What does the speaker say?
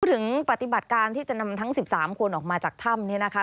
พูดถึงปฏิบัติการที่จะนำทั้ง๑๓คนออกมาจากถ้ำ